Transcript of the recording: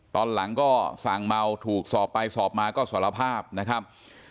ตอนหลังก็สั่งเมาถูกสอบไปสอบมาก็สารภาพนะครับ